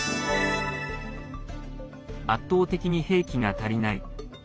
「圧倒的に兵器が足りない」。